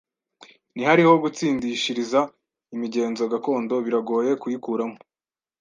Ntihariho gutsindishiriza imigenzo gakondo, biragoye kuyikuramo